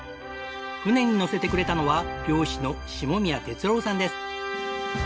船に乗せてくれたのは漁師の下宮哲郎さんです。